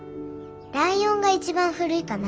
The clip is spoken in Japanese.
ライオンが一番古いかな。